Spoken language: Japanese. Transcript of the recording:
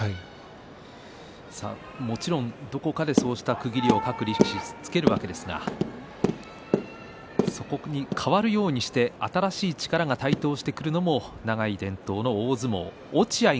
もちろんどこかでそういう区切りを各力士はつけるわけですがそこに変わるようにして新しい力が台頭してくるのも長い伝統の大相撲。